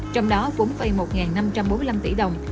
trong đó vốn vay một năm trăm bốn mươi năm tỷ đồng